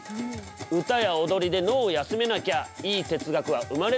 歌や踊りで脳を休めなきゃいい哲学は生まれないってわけ。